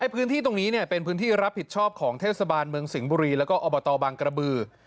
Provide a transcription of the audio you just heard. พื้นที่ตรงนี้เป็นพื้นที่รับผิดชอบของเทศบาลเมืองสิงห์บุรีแล้วก็อบตบางกระบือ